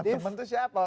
teman teman itu siapa